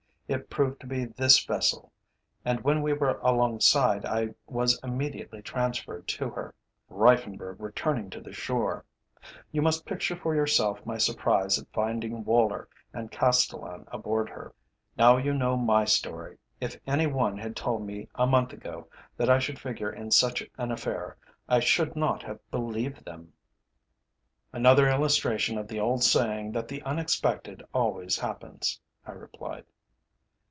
It proved to be this vessel, and when we were alongside, I was immediately transferred to her, Reiffenburg returning to the shore. You must picture for yourself my surprise at finding Woller and Castellan aboard her. Now you know my story. If any one had told me a month ago that I should figure in such an affair, I should not have believed them." "Another illustration of the old saying that the unexpected always happens," I replied.